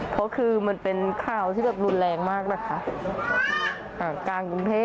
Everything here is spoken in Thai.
เพราะคือมันเป็นข้าวที่แบบรุนแรงมากนะคะ